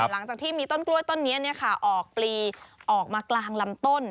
หลังจากที่มีต้นกล้วยต้นนี้ออกปลีออกมากลางลำต้น